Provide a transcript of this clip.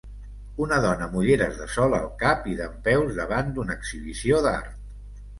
Una dona amb ulleres de sol al cap i dempeus davant d'una exhibició d'art.